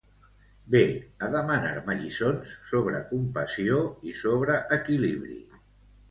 Ve a demanar-me lliçons sobre compassió i sobre equilibri.